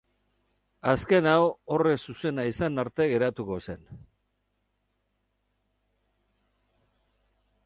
Azken hau, horri zuzena izan arte garatuko zen.